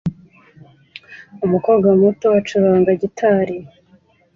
Umukobwa muto ucuranga gitari